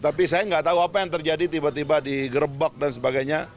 tapi saya nggak tahu apa yang terjadi tiba tiba digerebek dan sebagainya